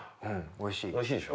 おいしいでしょ？